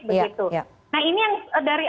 begitu nah ini yang dari